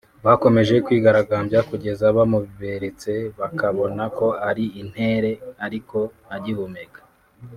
Bakomeje kwigaragambya kugeza bamuberetse bakabona ko ari intere ariko agihumeka